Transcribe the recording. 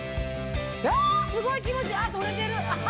すごい気持ちいい取れてる。